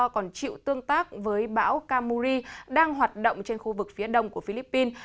còn chịu tương tác với bão kamuri đang hoạt động trên khu vực phía đông của philippines